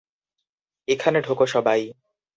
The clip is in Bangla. এখানে ঢোকো সবাই।